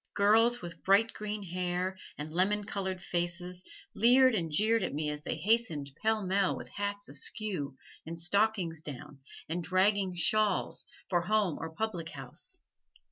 Girls with bright green hair, and lemon colored faces, leered and jeered at me as they hastened pellmell with hats askew, and stockings down, and dragging shawls, for home or public house.